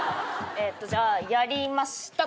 えっとじゃあやりました。